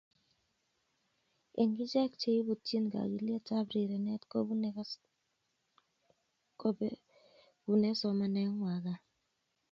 Eng icheget cheibutyin kogelietab rirenet kobekune somanengwai gaa